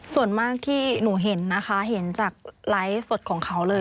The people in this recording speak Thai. ส่วนมากที่หนูเห็นนะคะเห็นจากไลฟ์สดของเขาเลย